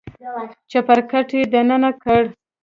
چپرکټ يې دننه کړ.